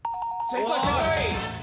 正解。